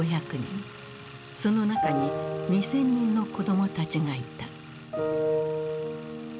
その中に２，０００人の子供たちがいた。